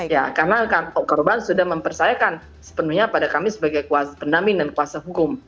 ya karena korban sudah mempercayakan sepenuhnya pada kami sebagai pendamping dan kuasa hukum